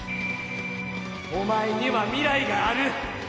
おまえには未来がある。